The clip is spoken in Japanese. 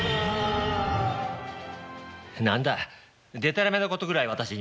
何だでたらめなことぐらい私にも。